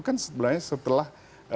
kan sebenarnya setelah